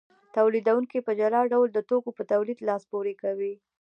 تولیدونکي په جلا ډول د توکو په تولید لاس پورې کوي